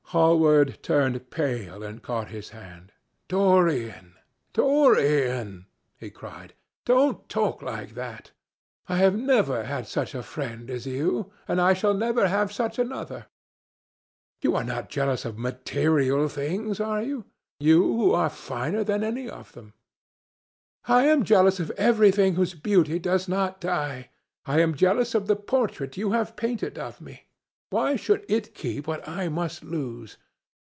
Hallward turned pale and caught his hand. "Dorian! Dorian!" he cried, "don't talk like that. I have never had such a friend as you, and I shall never have such another. You are not jealous of material things, are you?—you who are finer than any of them!" "I am jealous of everything whose beauty does not die. I am jealous of the portrait you have painted of me. Why should it keep what I must lose?